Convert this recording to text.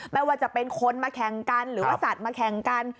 ไม่ว่าจะเป็นคนมาแข่งกันหรือว่าสัตว์มาแข่งกัน